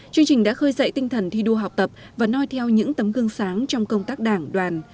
chương trình đã khơi dậy tinh thần thi đua học tập và nói theo những tấm gương sáng trong công tác đảng đoàn